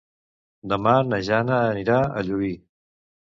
Demà na Jana anirà a Llubí.